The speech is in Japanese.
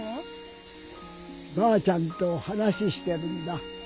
ばあちゃんと話してるんだ。